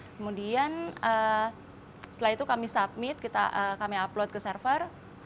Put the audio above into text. kemudian setelah itu kami submit kami upload ke server